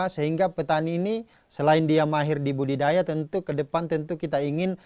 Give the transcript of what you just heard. sehingga petani ini selain dia mahir di budidaya tentu ke depan tentu kita ingin